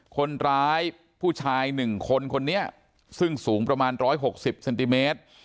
คนร้ายผู้ชาย๑คนคนนี้ซึ่งสูงประมาณ๑๖๐เซนติเมตร